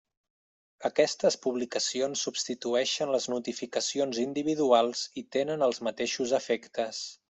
Aquestes publicacions substitueixen les notificacions individuals i tenen els mateixos efectes.